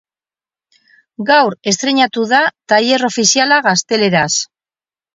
Gaur estreinatu da trailer ofiziala gazteleraz.